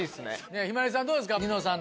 向日葵さんどうですか？